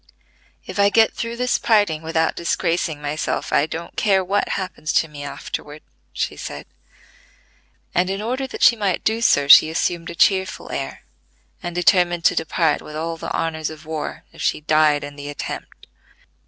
"If I get through this parting without disgracing myself, I don't care what happens to me afterward," she said; and, in order that she might do so, she assumed a cheerful air, and determined to depart with all the honors of war, if she died in the attempt.